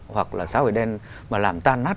hoặc là xá hủy đen mà làm tan nát